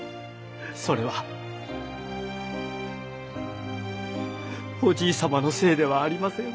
それはおじい様のせいではありません。